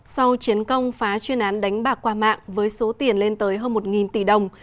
sau chiến công phá chuyên án đánh bạc qua mạng với số tiền lên tới hơn một tỷ đồng